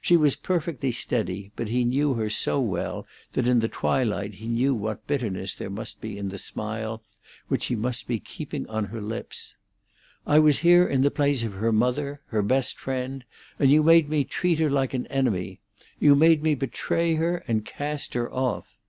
She was perfectly steady, but he knew her so well that in the twilight he knew what bitterness there must be in the smile which she must be keeping on her lips. "I was here in the place of her mother, her best friend, and you made me treat her like an enemy. You made me betray her and cast her off."